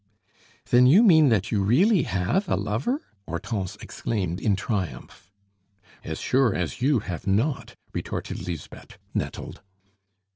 "Then you mean that you really have a lover?" Hortense exclaimed in triumph. "As sure as you have not!" retorted Lisbeth, nettled.